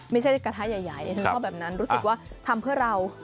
ไม่ใช่กระทะใหญ่ฉันชอบแบบนั้นรู้สึกว่าทำเพื่อเรา